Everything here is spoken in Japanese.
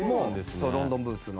そうロンドンブーツの。